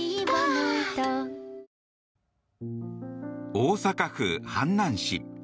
大阪府阪南市。